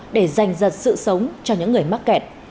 để giành giật sự sống cho những người mắc kẹt